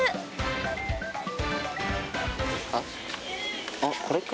あっあっこれか？